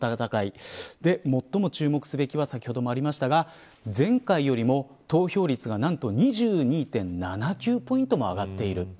最も注目すべきは先ほどもありましたが前回よりも投票率が何と２２．７９ポイントも上がっている。